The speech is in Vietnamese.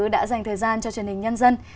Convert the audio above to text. đã dành thời gian cho truyền hình nhân dân